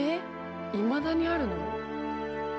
いまだにあるの？